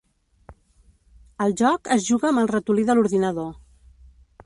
El joc es juga amb el ratolí de l'ordinador.